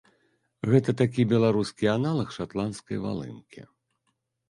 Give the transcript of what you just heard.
Гэта такі беларускі аналаг шатландскай валынкі.